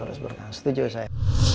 terus berkembang setuju saya